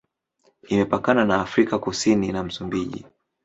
Imepakana na Afrika Kusini na Msumbiji.